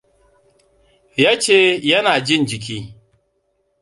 Ya ce yana jin jiki.